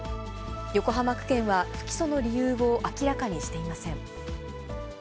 横浜区検は不起訴の理由を明らかにしていません。